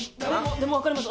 でも分かります